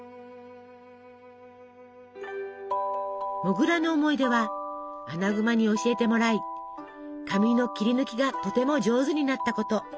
モグラの思い出はアナグマに教えてもらい紙の切り抜きがとても上手になったこと。